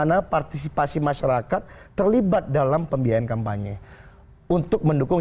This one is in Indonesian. kalau ada perkumpulan golf mau menyumbang